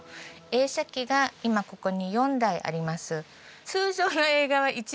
映写機が今ここに４台あります。